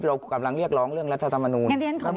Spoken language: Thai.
เรากำลังเรียกร้องเรื่องรัฐธรรมนูล